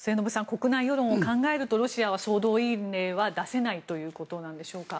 国内世論を考えると、ロシアは総動員令は出せないということなのでしょうか。